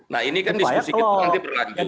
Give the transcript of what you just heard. nah ini kan diskusi kita nanti berlanjut